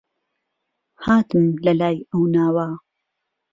هاتم لە لای ئەو ناوە